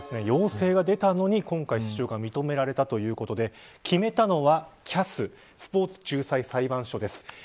陽性が出たのに今回、出場が認められたということで決めたのはＣＡＳスポーツ仲裁裁判所です。